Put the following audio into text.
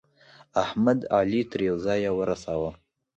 احمد؛ علي تر يوه ځايه ورساوو.